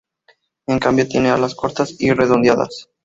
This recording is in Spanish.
En cambio tiene alas cortas y redondeadas.